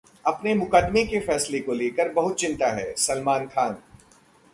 अपने मुकदमे के फैसले को लेकर बहुत चिंता है: सलमान खान